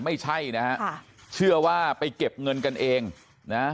ไม่ใช่นะฮะค่ะเชื่อว่าไปเก็บเงินกันเองนะ